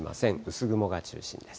薄雲が中心です。